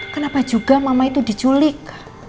kenapa juga mama itu diculik